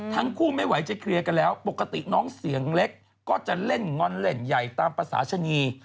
ไม่ไหวจะเคลียร์กันแล้วปกติน้องเสียงเล็กก็จะเล่นงอนเล่นใหญ่ตามภาษาชนี